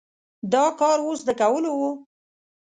دا کار اوس د کولو و؟